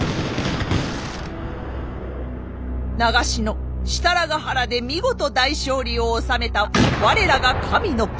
長篠設楽原で見事大勝利を収めた我らが神の君。